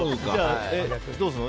どうするの？